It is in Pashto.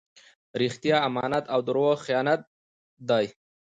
رښتیا امانت او درواغ خیانت دئ.